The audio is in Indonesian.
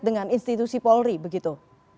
dengan institusi polri begitu